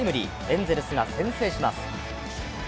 エンゼルスが先制します。